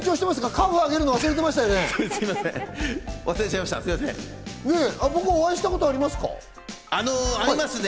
カフをあげるの、忘れてましたよね。